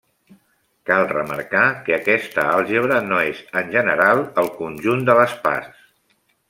Cal remarcar que aquesta àlgebra no és, en general, el conjunt de les parts.